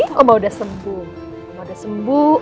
ini oma udah sembuh oma udah sembuh